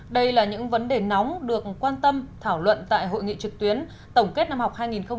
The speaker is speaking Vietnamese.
đây là những vấn đề nóng được quan tâm thảo luận tại hội nghị trực tuyến tổng kết năm học hai nghìn một mươi hai nghìn hai mươi